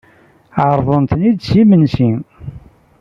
Ɛerḍent-ten-id s imensi.